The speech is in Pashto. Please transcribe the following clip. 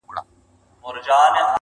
چي يو ځل بيا څوک په واه ،واه سي راته.